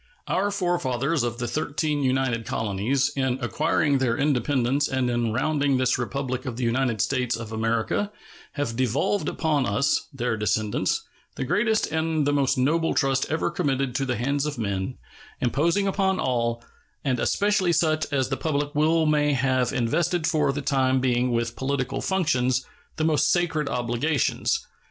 Our forefathers of the thirteen united colonies, in acquiring their independence and in rounding this Republic of the United States of America, have devolved upon us, their descendants, the greatest and the most noble trust ever committed to the hands of man, imposing upon all, and especially such as the public will may have invested for the time being with political functions, the most sacred obligations.